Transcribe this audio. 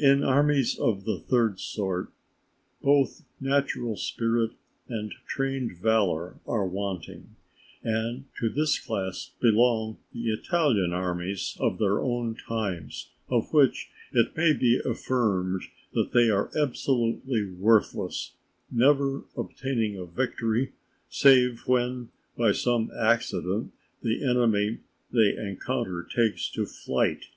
In armies of the third sort both natural spirit and trained valour are wanting; and to this class belong the Italian armies of our own times, of which it may be affirmed that they are absolutely worthless, never obtaining a victory, save when, by some accident, the enemy they encounter takes to flight.